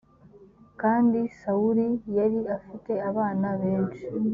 kandi sawuli yari afite abana benci